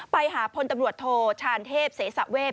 ไปหาพลตำรวจโทชานเทพเสสะเวท